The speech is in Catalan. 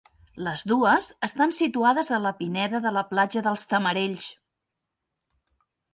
Les dues estan situades a la pineda de la platja dels Tamarells.